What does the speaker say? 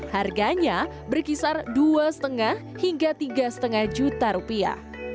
harganya berkisar dua lima hingga tiga lima juta rupiah